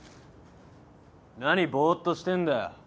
何ぼーっとしてんだよ。